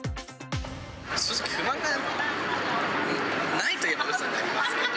正直、不満がないといえばうそになりますけど。